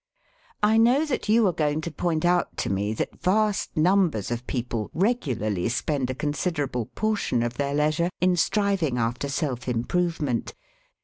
I know that you are going to point out to me that vast numbers of people regularly spend a considerable portion of their leisure in striving after self improvement.